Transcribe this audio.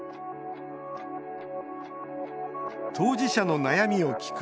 当事者の悩みを聞く